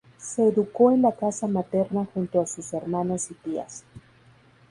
Se educó en la casa materna junto a sus hermanos y tías.